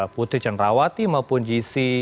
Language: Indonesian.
putri cenrawati maupun gc